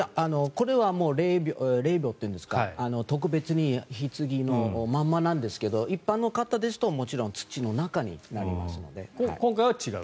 これは霊びょうというんですか特別にひつぎのまんまなんですが一般の方ですと土の中になりますので。